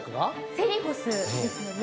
セリフォスですよね。